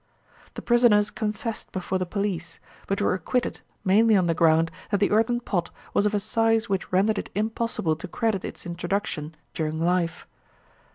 The prisoners confessed before the police, but were acquitted mainly on the ground that the earthen pot was of a size which rendered it impossible to credit its introduction during life.